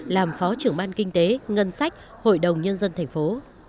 làm phó trưởng ban kinh tế ngân sách hội đồng nhân dân thành phố